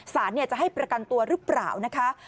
สารจะให้ประกันตัวหรือเปล่านะคะ